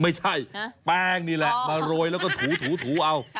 ไม่ใช่แป้งนี่แหละมาโรยแล้วก็ถูเอา